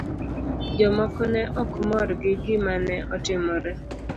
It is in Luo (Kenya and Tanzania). Jomoko ne ok mor gi gima ne otimore.